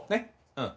うん。